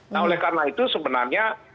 nah oleh karena itu sebenarnya